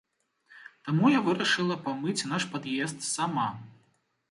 Таму я вырашыла памыць наш пад'езд сама.